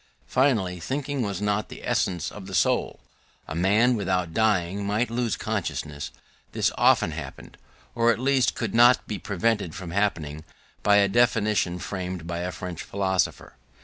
Finally, thinking was not the essence of the soul: a man, without dying, might lose consciousness: this often happened, or at least could not be prevented from happening by a definition framed by a French philosopher.